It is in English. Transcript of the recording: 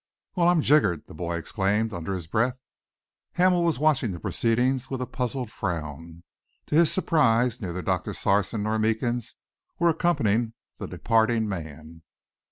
"Well, I'm jiggered!" the boy exclaimed, under his breath. Hamel was watching the proceedings with a puzzled frown. To his surprise, neither Doctor Sarson nor Meekins were accompanying the departing man.